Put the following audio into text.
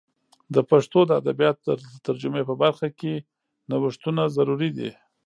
د پښتو د ادبیاتو د ترجمې په برخه کې نوښتونه ضروري دي.